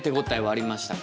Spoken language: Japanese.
ありました。